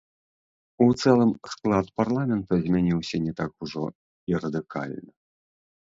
У цэлым склад парламента змяніўся не так ужо і радыкальна.